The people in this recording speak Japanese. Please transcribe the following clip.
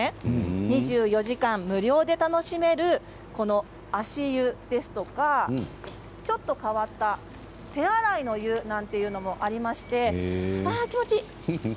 ２４時間、無料で楽しめるこの足湯ですとかちょっと変わった手洗乃湯なんていうのもありまして気持ちいいです。